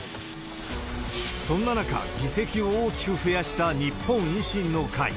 そんな中、議席を大きく増やした日本維新の会。